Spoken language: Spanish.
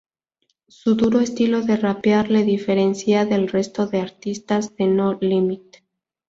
Su duro estilo de rapear le diferencia del resto de artistas de No Limit.